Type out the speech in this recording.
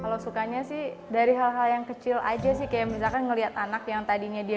kalau sukanya sih dari hal hal yang kecil aja sih kayak misalkan ngelihat anak yang tadinya dia